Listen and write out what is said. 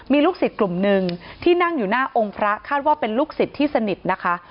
มีลูกศิษย์กลุ่มหนึ่งที่นั่งอยู่หน้าองค์พระคาดว่าเป็นลูกศิษย์ที่สนิทนะคะ